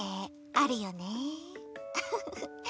ウフフッ。